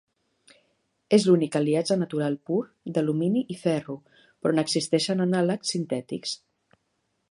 És l'únic aliatge natural pur d'alumini i ferro, però n'existeixen anàleg sintètics.